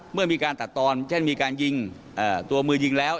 เมื่อมีการตัดตอนเช่นมีการยิงตัวมือยิงแล้ว